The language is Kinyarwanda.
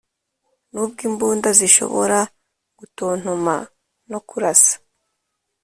nubwo imbunda zishobora gutontoma no kurasa,